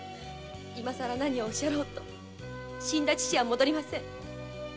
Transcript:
今更何をおっしゃろうと死んだ父は戻りません。